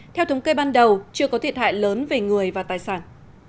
theo thống kê ban đầu chưa có thiệt hại lớn về người và tài sản